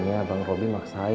supaya abah itu bisa bayarair